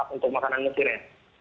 untuk makanan mesir ya